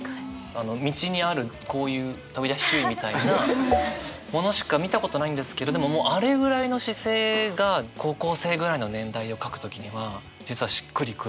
道にあるこういう飛び出し注意みたいなものしか見たことないんですけどでもあれぐらいの姿勢が高校生ぐらいの年代を書く時には実はしっくり来るぐらい。